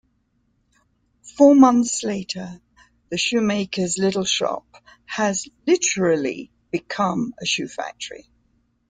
Four months later, the shoemaker's little shop has literally become a shoe factory.